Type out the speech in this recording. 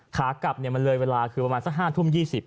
ขากลับมันเลยเวลาคือประมาณสัก๕ทุ่ม๒๐